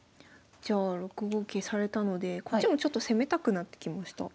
じゃあ６五桂されたのでこっちもちょっと攻めたくなってきました。